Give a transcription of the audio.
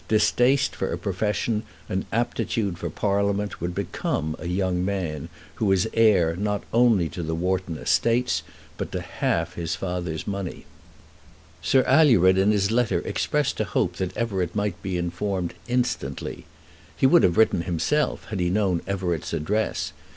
Distaste for a profession and aptitude for Parliament would become a young man who was heir not only to the Wharton estates, but to half his father's money. Sir Alured in his letter expressed a hope that Everett might be informed instantly. He would have written himself had he known Everett's address.